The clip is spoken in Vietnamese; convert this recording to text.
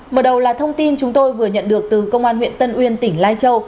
mở đầu là thông tin chúng tôi vừa nhận được từ công an huyện tân uyên tỉnh lai châu